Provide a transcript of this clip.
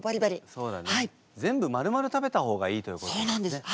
全部まるまる食べた方がいいということなんですね。